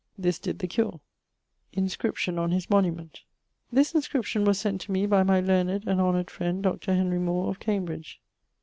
This did the cure. Inscription on his monument. This inscription was sent to me by my learned and honoured friend, Dr. Henry More, of Cambridge.